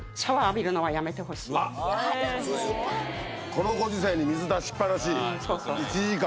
このご時世に水出しっ放し１時間。